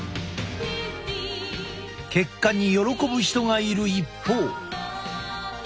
結果に喜ぶ人がいる一方。